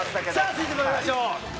続いてまいりましょう。